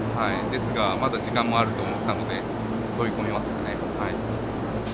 ですが、まだ時間もあると思ったので、飛び込みますよね。